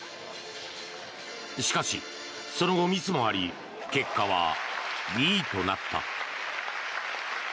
しかし、その後ミスもあり結果は２位となった。